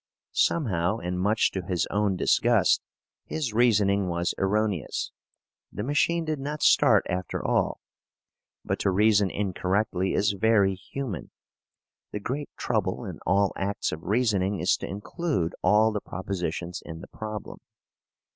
Somehow and much to his own disgust, his reasoning was erroneous. The machine did not start after all. But to reason incorrectly is very human. The great trouble in all acts of reasoning is to include all the propositions in the problem.